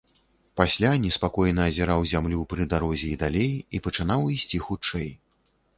Пасля неспакойна азіраў зямлю пры дарозе і далей і пачынаў ісці хутчэй.